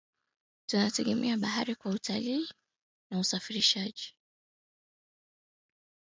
Tunategemea bahari kwa chakula utalii na usafirishaji